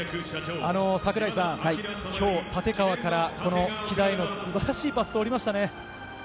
櫻井さん、きょう、立川からこの木田への素晴らしいパスが通りましたね。